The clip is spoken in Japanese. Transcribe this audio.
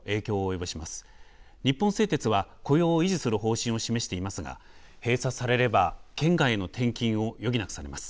日本製鉄は雇用を維持する方針を示していますが閉鎖されれば県外への転勤を余儀なくされます。